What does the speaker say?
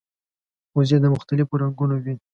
وزې د مختلفو رنګونو وي